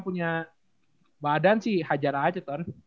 punya badan sih hajar aja kan